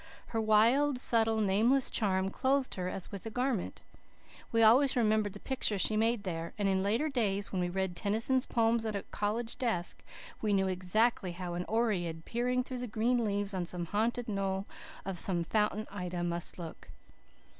Her wild, subtle, nameless charm clothed her as with a garment. We always remembered the picture she made there; and in later days when we read Tennyson's poems at a college desk, we knew exactly how an oread, peering through the green leaves on some haunted knoll of many fountained Ida, must look.